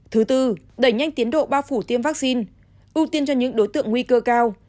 thứ tư đẩy nhanh tiến độ bao phủ tiêm vaccine ưu tiên cho những đối tượng nguy cơ cao